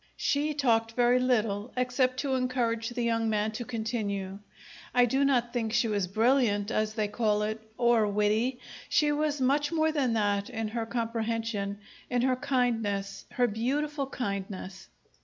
She talked very little, except to encourage the young man to continue. I do not think she was brilliant, as they call it, or witty. She was much more than that in her comprehension, in her kindness her beautiful kindness!